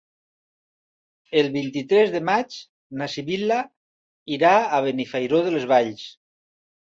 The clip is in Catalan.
El vint-i-tres de maig na Sibil·la irà a Benifairó de les Valls.